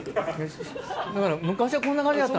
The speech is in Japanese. だから昔はこんな感じだった。